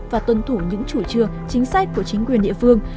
và tuân thủ những chủ trương chính sách của chính quyền địa phương